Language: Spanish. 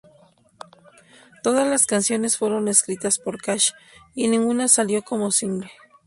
Todas las canciones fueron escritas por Cash y ninguna salió como single.